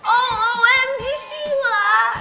omg sih wak